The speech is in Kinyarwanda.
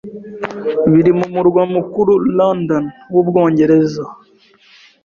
biri mu murwa mukuru London w'Ubwongereza